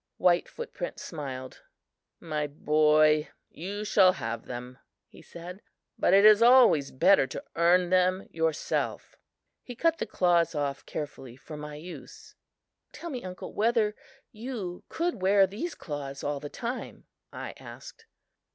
White Foot print smiled. "My boy, you shall have them," he said, "but it is always better to earn them yourself." He cut the claws off carefully for my use. "Tell me, uncle, whether you could wear these claws all the time?" I asked.